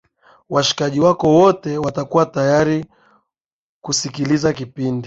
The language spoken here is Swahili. wasikiliaji wako wote watakuwa tayari kusikiliza kipindi